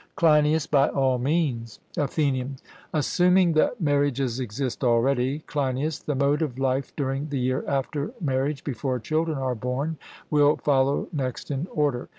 CLEINIAS: By all means. ATHENIAN: Assuming that marriages exist already, Cleinias, the mode of life during the year after marriage, before children are born, will follow next in order.